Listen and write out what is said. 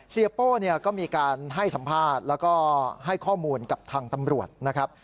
โป้เนี่ยก็มีการให้สัมภาษณ์แล้วก็ให้ข้อมูลกับทางตำรวจนะครับ